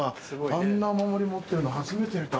あんなお守り持ってるの初めて見た。